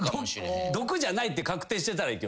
毒じゃないって確定してたらいけます。